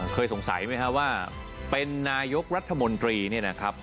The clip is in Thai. เคยสงสัยไหมครับว่าเป็นนายกรัฐมนตรีเนี่ยนะครับ